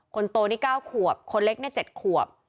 คนโตนี่๙ขวบคนเล็กเนี่ย๗ขวบ